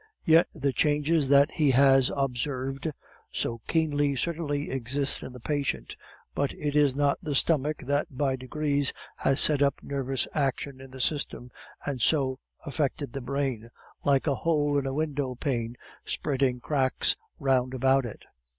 "Yes, the changes that he has observed so keenly certainly exist in the patient; but it is not the stomach that, by degrees, has set up nervous action in the system, and so affected the brain, like a hole in a window pane spreading cracks round about it.